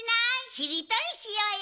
しりとりしようよ。